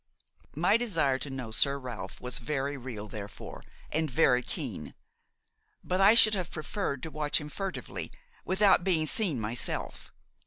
My desire to know Sir Ralph was very real, therefore, and very keen; but I should have preferred to watch him furtively, without being seen myself.